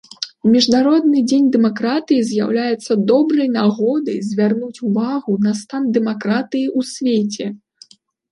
Міжнародны дзень дэмакратыі з'яўляецца добрай нагодай звярнуць увагу на стан дэмакратыі ў свеце.